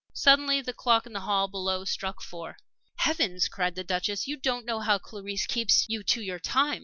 Suddenly the clock in the hall below struck four. "Heavens!" cried the Duchess. "You don't know how Clarisse keeps you to your time.